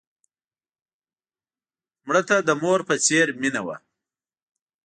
مړه ته د مور په څېر مینه وه